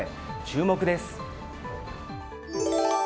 注目です。